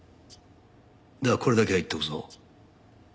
だがこれだけは言っておくぞ。